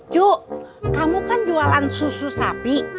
juk kamu kan jualan susu sapi